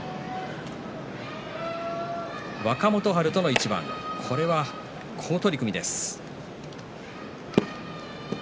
若元春との一番、好取組です。